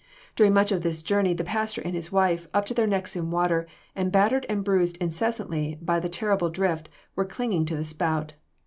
During much of this journey the pastor and his wife, up to their necks in water, and battered and bruised incessantly by the terrible drift, were clinging to the spout.